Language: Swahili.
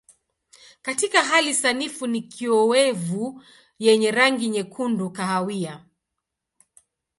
Katika hali sanifu ni kiowevu yenye rangi nyekundu kahawia.